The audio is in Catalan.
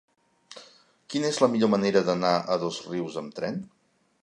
Quina és la millor manera d'anar a Dosrius amb tren?